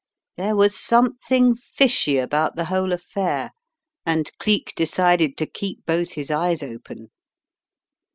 There was something fishy about the whole affair and Cleek decided to keep both his eyes open.